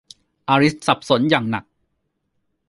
อลิซสับสนอย่างหนัก